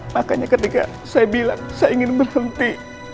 makanya ketika saya bilang saya ingin berhenti